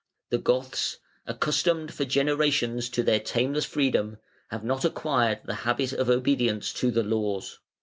The Goths, accustomed for generations to their tameless freedom, have not acquired the habit of obedience to the laws.